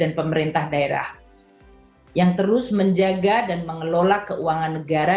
dan pemerintah daerah yang terus menjaga dan mengelola keuangan negara